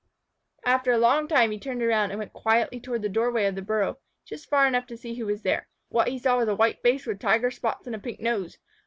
After a long time he turned around, and went quietly toward the door way of the burrow, just far enough to see who was there. What he saw was a white face with tiger spots and a pink nose.